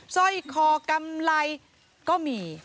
ซอยคอกำไรก็มี